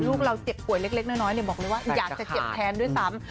ลูกเราเจ็บป่วยเล็กน้อยบอกเลยว่าอยากจะเจ็บแทนด้วยซ้ำ